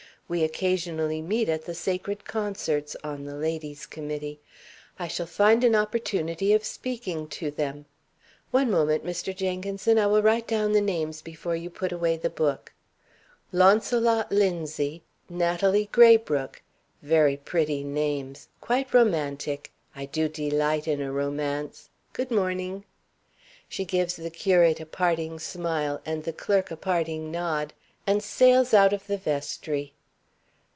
We occasionally meet at the Sacred Concerts (on the 'Ladies' Committee'); I shall find an opportunity of speaking to them. One moment, Mr. Jenkinson, I will write down the names before you put away the book. 'Launcelot Linzie,' 'Natalie Graybrooke.' Very pretty names; quite romantic. I do delight in a romance. Good morning." She gives the curate a parting smile, and the clerk a parting nod, and sails out of the vestry.